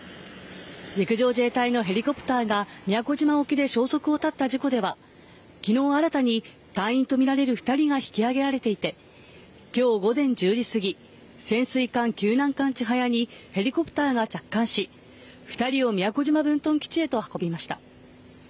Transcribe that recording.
陸上自衛隊のヘリコプターが宮古島沖で消息を絶った事故では、きのう新たに隊員と見られる２人が引き上げられていて、きょう午前１０時過ぎ、潜水艦救難艦ちはやにヘリコプターが着艦し、２人を宮古島分屯基地へと運びました。